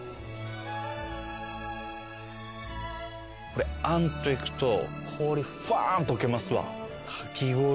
これあんといくと氷ふわ溶けますわ。